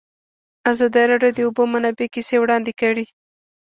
ازادي راډیو د د اوبو منابع کیسې وړاندې کړي.